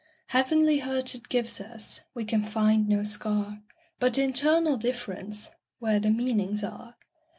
Heavenly hurt it gives us; We can find no scar, But internal differenceWhere the meanings are.